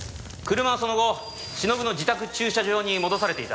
車はその後しのぶの自宅駐車場に戻されていた。